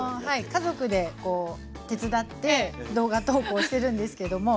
家族でこう手伝って動画投稿してるんですけども。